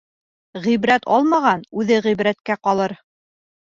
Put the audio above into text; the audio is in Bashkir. Ғибрәт алмаған үҙе ғибрәткә ҡалыр.